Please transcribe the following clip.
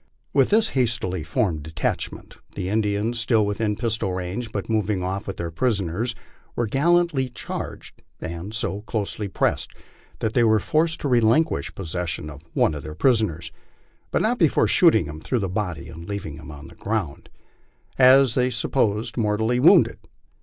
With this hastily formed detachment, the Indians, still within pistol range, but moving off with their prisoners, were gallantly charged and so closely pressed that they were forced to relinquish possession of one of their prisoners, but not before shooting him through the body and leaving him on the ground, as they supposed, mortally wounded.